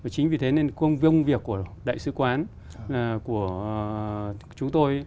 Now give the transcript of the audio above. chính vì thế nên công viêng việc của đại sứ quán của chúng tôi